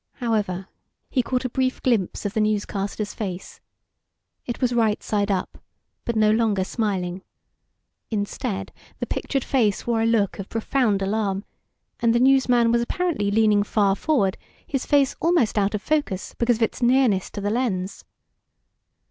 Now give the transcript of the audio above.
However, he caught a brief glimpse of the newscaster's face. It was right side up, but no longer smiling. Instead, the pictured face wore a look of profound alarm, and the newsman was apparently leaning far forward, his face almost out of focus because of its nearness to the lens.